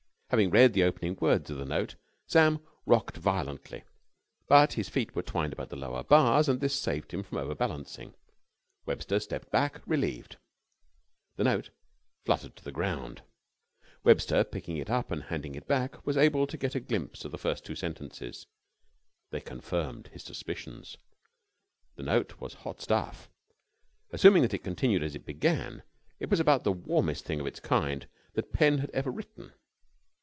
Having read the opening words of the note, Sam rocked violently; but his feet were twined about the lower bars and this saved him from overbalancing. Webster stepped back, relieved. The note fluttered to the ground. Webster, picking it up and handing it back, was enabled to get a glimpse of the first two sentences. They confirmed his suspicions. The note was hot stuff. Assuming that it continued as it began, it was about the warmest thing of its kind that pen had ever written.